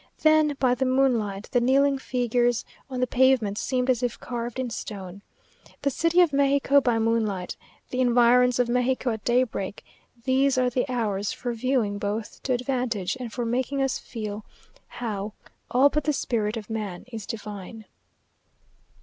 Then, by the moonlight, the kneeling figures on the pavement seemed as if carved in stone. The city of Mexico by moonlight the environs of Mexico at daybreak these are the hours for viewing both to advantage, and for making us feel how "All but the spirit of man is divine."